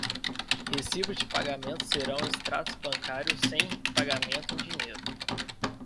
Recibos de pagamento serão extratos bancários sem pagamento em dinheiro.